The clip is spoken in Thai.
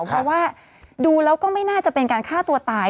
เพราะว่าดูแล้วก็ไม่น่าจะเป็นการฆ่าตัวตาย